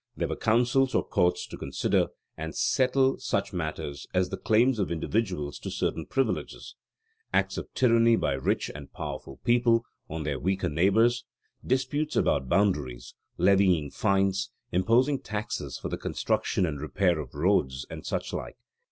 There were councils or courts to consider and settle such matters as the claims of individuals to certain privileges; acts of tyranny by rich and powerful people on their weaker neighbours; disputes about boundaries; levying fines; imposing taxes for the construction and repair of roads; and such like.